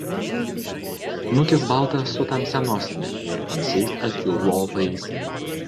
Snukis baltas su tamsia nosimi ir tamsiais akių lopais.